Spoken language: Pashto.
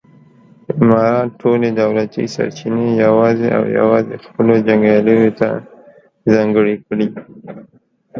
امارت ټولې دولتي سرچینې یوازې او یوازې خپلو جنګیالیو ته ځانګړې کړې.